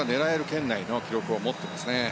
圏内の記録を持っていますね。